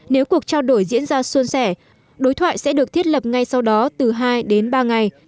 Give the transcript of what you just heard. nếu cuộc trao đổi diễn ra xuân sẻ đối thoại sẽ được thiết lập ngay sau đó từ hai đến ba ngày